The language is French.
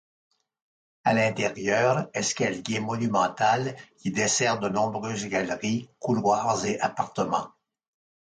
À l'intérieur, escalier monumental qui dessert de nombreuses galeries, couloirs et appartements.